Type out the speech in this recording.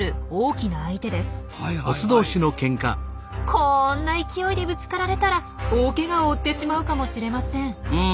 こんな勢いでぶつかられたら大けがを負ってしまうかもしれません。